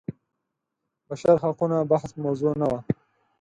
بشر حقونه بحث موضوع نه وه.